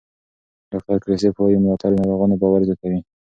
ډاکټر کریسپ وایي ملاتړ د ناروغانو باور زیاتوي.